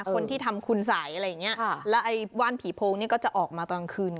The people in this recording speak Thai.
คนที่ทำคุณสัยอะไรอย่างเงี้ยแล้วไอ้ว่านผีโพงนี่ก็จะออกมาตอนคืน